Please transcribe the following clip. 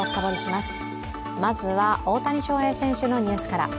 まずは、大谷翔平選手のニュースから。